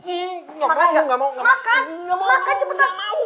enggak mau enggak mau